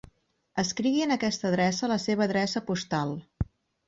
Escrigui en aquesta adreça la seva adreça postal.